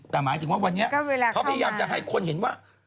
แต่หมายถึงว่าวันนี้เขาพยายามจะให้คนเห็นว่า